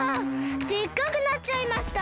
でっかくなっちゃいました！